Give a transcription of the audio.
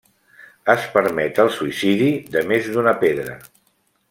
Es permet el suïcidi de més d'una pedra.